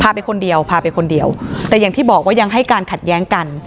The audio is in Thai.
ไปคนเดียวพาไปคนเดียวแต่อย่างที่บอกว่ายังให้การขัดแย้งกัน